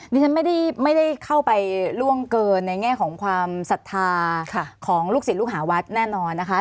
ดิฉันไม่ได้เข้าไปล่วงเกินในแง่ของความศรัทธาของลูกศิษย์ลูกหาวัดแน่นอนนะคะ